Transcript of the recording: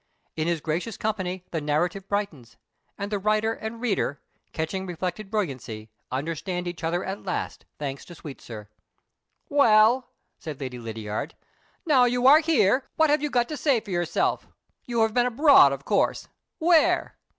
In his gracious company the narrative brightens; and writer and reader (catching reflected brilliancy) understand each other at last, thanks to Sweetsir. "Well," said Lady Lydiard, "now you are here, what have you got to say for yourself? You have been abroad, of course! Where?"